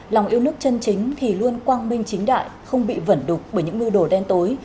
lòng yêu nước chân chính thì luôn quang minh chính đại không bị vẩn đục bởi những mưu đồ đen tối